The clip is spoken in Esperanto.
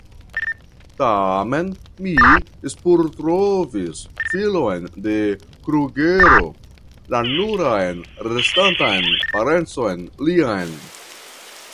Tamen, mi spurtrovis filon de Krugero, la nuran restantan parencon lian.